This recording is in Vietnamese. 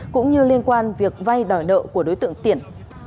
cũng như liên quan việc vay đòi nợ của đối tượng tiển